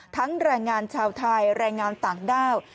แรงงานชาวไทยแรงงานต่างด้าว